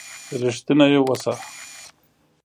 رښتيني وسه.